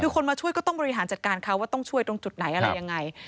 คือคนมาช่วยก็ต้องบริหารจัดการเขาว่าต้องช่วยตรงจุดไหนอะไรยังไง